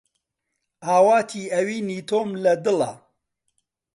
ئاواتی ئەوینی تۆم لە دڵە